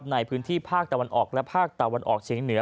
ในพื้นที่ภาคตะวันออกและภาคตะวันออกเฉียงเหนือ